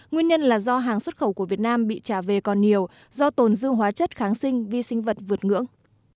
nguyên nhân là do hàng xuất khẩu của việt nam bị trả về còn nhiều do tồn dư hóa chất kháng sinh vi sinh vật vượt ngưỡng